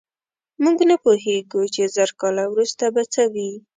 موږ نه پوهېږو، چې زر کاله وروسته به څه وي.